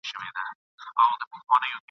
د ګډون کولو بلنه راکړه !.